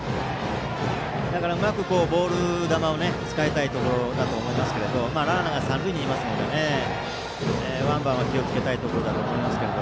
うまくボール球を使いたいところだと思いますがランナーが三塁にいますのでワンバウンドは気をつけたいところですが。